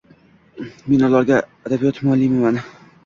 Men ularga adabiyot muallimiman.